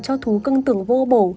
cho thú cưng tưởng vô bổ